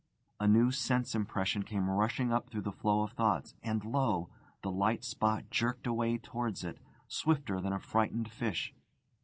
A new sense impression came rushing up through the flow of thoughts; and lo! the light spot jerked away towards it, swifter than a frightened fish.